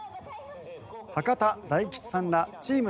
博多大吉さんらチーム